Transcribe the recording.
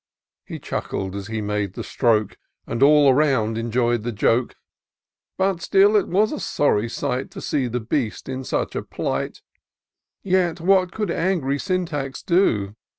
He chuckled as he made the stroke, And all aroimd enjoy'd the joke ; But still it was a sorry sight. To see the beast in such a plight: Yet what could angry Syntax do